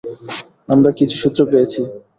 আমরা কিছু সূত্র পেয়েছি।